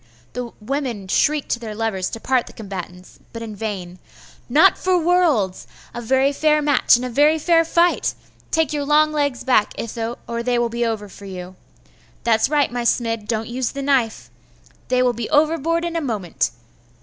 The women shrieked to their lovers to part the combatants, but in vain. 'Not for worlds! A very fair match and a very fair fight! Take your long legs back, Itho, or they will be over you! That's right, my Smid, don't use the knife! They will be overboard in a moment!